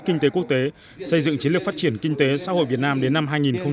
kinh tế quốc tế xây dựng chiến lược phát triển kinh tế xã hội việt nam đến năm hai nghìn ba mươi